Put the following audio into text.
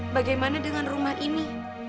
bagaimana dengan rumah ini